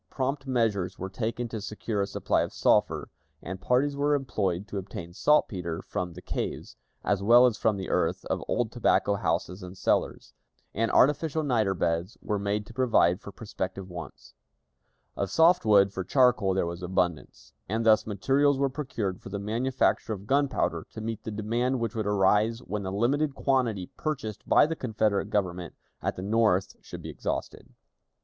Prompt measures were taken to secure a supply of sulphur, and parties were employed to obtain saltpeter from the caves, as well as from the earth of old tobacco houses and cellars; and artificial niter beds were made to provide for prospective wants. Of soft wood for charcoal there was abundance, and thus materials were procured for the manufacture of gunpowder to meet the demand which would arise when the limited quantity purchased by the Confederate Government at the North should be exhausted.